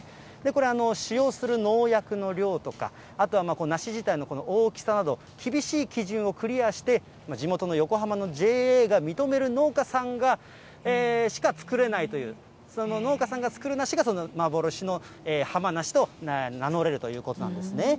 これ、使用する農薬の量とか、あとは梨自体の大きさなど、厳しい基準をクリアして、地元の横浜のＪＡが認める農家さんしか作れないという、その農家さんが作る梨が、幻の浜なしと名乗れるということなんですね。